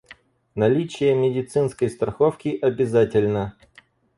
Наличие медицинской страховки обязательно.